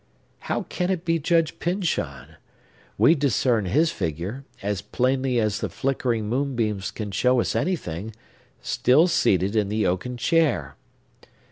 How can it be Judge Pyncheon? We discern his figure, as plainly as the flickering moonbeams can show us anything, still seated in the oaken chair!